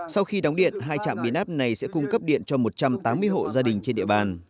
sau khi đóng điện hai trạm biến áp này sẽ cung cấp điện cho một trăm tám mươi hộ gia đình trên địa bàn